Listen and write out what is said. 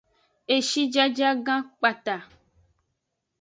Eshijajagan kpata.